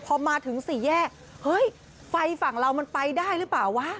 พอมาถึงสี่แยกเฮ้ยไฟฝั่งเรามันไปได้หรือเปล่าวะ